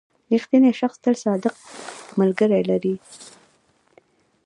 • رښتینی شخص تل صادق ملګري لري.